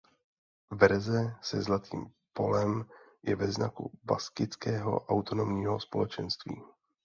Verze se zlatým polem je ve znaku Baskického autonomního společenství.